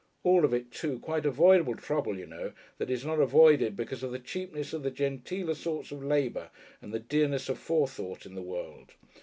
All of it, too, quite avoidable trouble, you know, that is not avoided because of the cheapness of the genteeler sorts of labour and the dearness of forethought in the world.